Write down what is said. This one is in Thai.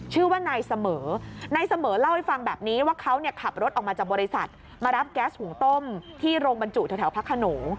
ชื่อว่านายเสมอนายเสมอเล่าให้ฟังแบบนี้ว่าเขาขับรถออกมาจากบริษัทมารับแก๊สหุงต้มที่โรงบรรจุแถวพระขนง